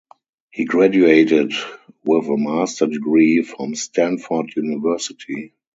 He graduated with a master degree from Stanford University.